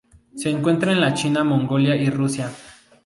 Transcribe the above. Se encuentra en la China, Mongolia y Rusia.